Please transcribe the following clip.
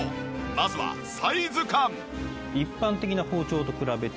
まずはサイズ感。